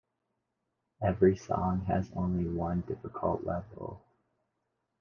Every song has only one difficulty level.